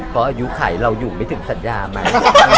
เพราะอายุไขเราอยู่ไม่ถึงสัญญาไหม